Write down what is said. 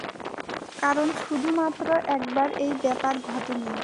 কারণ শুধুমাত্র একবার এই ব্যাপার ঘটেনি।